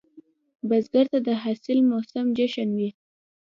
بزګر ته د حاصل موسم جشن وي